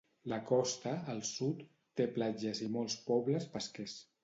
La costa, al sud, té platges i molts pobles pesquers.